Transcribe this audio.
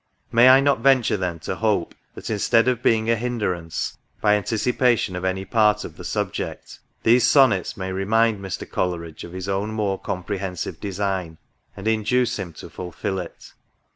May I not venture, then, to hope, that instead of being a hinderance, by anticipation of any part of the subject, these Sonnets may remind Mr. Coleridge of his own more comprehensive design, and induce him to fulfil it